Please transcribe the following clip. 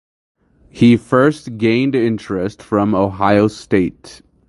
He first gained interest from Ohio State.